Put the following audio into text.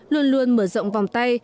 luôn luôn mở rộng vòng tay